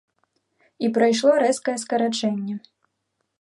І прайшло рэзкае скарачэнне.